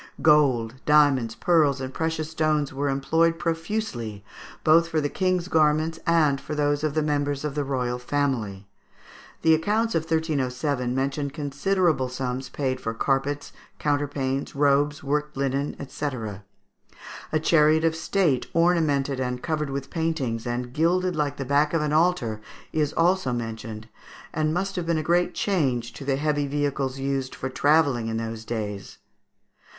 Gold, diamonds, pearls, and precious stones were employed profusely, both for the King's garments and for those of the members of the royal family. The accounts of 1307 mention considerable sums paid for carpets, counterpanes, robes, worked linen, &c. A chariot of state, ornamented and covered with paintings, and gilded like the back of an altar, is also mentioned, and must have been a great change to the heavy vehicles used for travelling in those days.